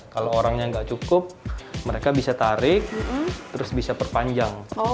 kalau orangnya nggak cukup mereka bisa tarik terus bisa perpanjang